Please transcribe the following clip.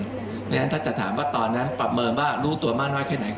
เพราะฉะนั้นถ้าจะถามตอนนั้นปรับเมิวณ์ว่ารู้ตัวมากแค่ไหน